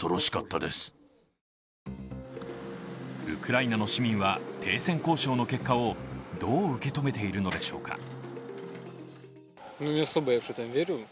ウクライナの市民は停戦交渉の結果をどう受け止めているのでしょうか。